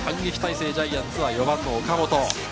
そして反撃態勢、ジャイアンツは４番・岡本。